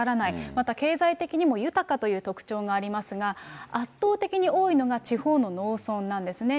また経済的にも豊かという特徴がありますが、圧倒的に多いのが地方の農村なんですね。